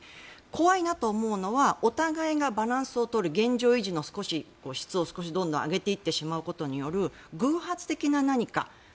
怖いなと思うのはお互いがバランスを取る現状維持の質を少し上げていってしまうことの偶発的な何か。